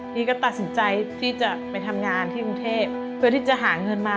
พี่ก็ตัดสินใจที่จะไปทำงานที่กรุงเทพเพื่อที่จะหาเงินมา